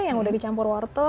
yang udah dicampur wortel